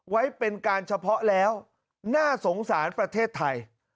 ไว้เป็นการเฉพาะแล้วน่าสงสารประเทศไทย